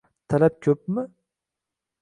- Talab ko'pmi?